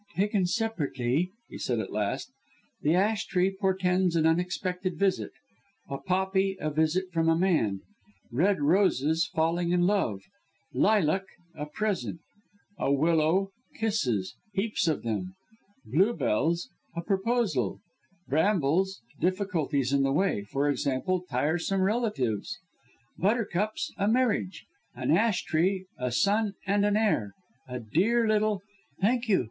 "Taken separately," he said at last, "the ash tree portends an unexpected visit; a poppy, a visit from a man; red roses, falling in love; lilac, a present; a willow, kisses heaps of them; bluebells, a proposal; brambles, difficulties in the way for example, tiresome relatives; buttercups, a marriage; an ash tree, a son and heir a dear little " "Thank you!"